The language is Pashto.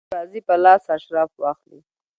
لکه سپي بازي په لاس اشراف واخلي.